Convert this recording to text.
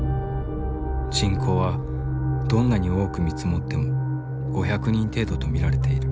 人口はどんなに多く見積もっても５００人程度と見られている。